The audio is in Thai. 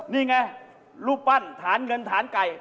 นี่ไงลูกปั้นและถานเงินถานไกร